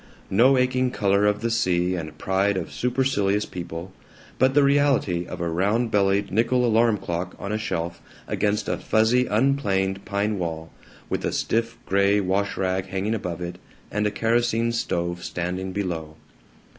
No aching color of the sea and pride of supercilious people, but the reality of a round bellied nickel alarm clock on a shelf against a fuzzy unplaned pine wall, with a stiff gray wash rag hanging above it and a kerosene stove standing below.